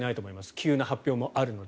急な発表もあるので。